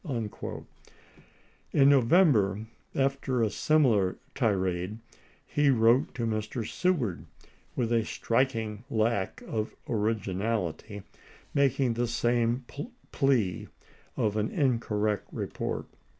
loyal." In November, after a similar tirade, lie wrote to Mr. Seward, with a striking lack of origi nality, making the same plea of an incorrect report.